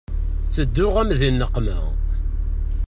Tedduɣ-am di nneqma.